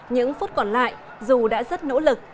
những phút còn lại dù đã rất nỗ lực